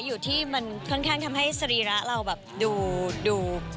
อยู่ที่มันค่อนข้างทำให้สรีระเราแบบดู